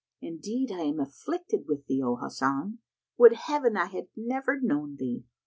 Indeed I am afflicted with thee, O Hasan! Would Heaven I had never known thee!